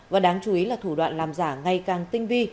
và đáng chú ý là thủ đoạn làm giả ngày càng tinh vi